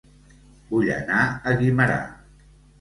Vull anar a Guimerà